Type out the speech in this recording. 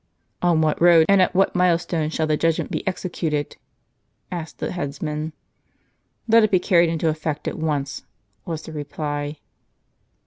" On what road, and at what mile stone, shall the judg ment be executed? " I asked the headsman. " Let it be carried into effect at once," was the reply.